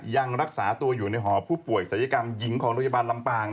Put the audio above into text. ยังรักษาตัวอยู่ในหอผู้ป่วยศัลยกรรมหญิงของโรงพยาบาลลำปาง